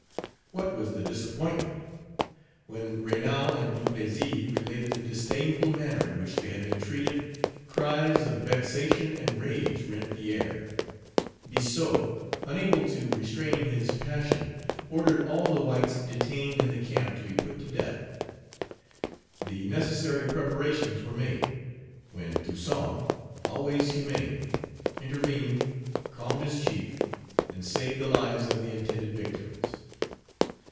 What was the disappointment! When Raynal and Duplessy related the disdainful manner in which they had been treated, cries of vexation and rage rent the air. Biassou, unable to restrain his passion, ordered all the whites detained in the camp to be put to death. The necessary preparations were made; when Toussaint always humane intervened, calmed his chief, and saved the lives of the intended victims.